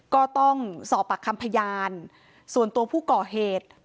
ก็ต้องสอบปากคำพยานส่วนตัวผู้ก่อเหตุ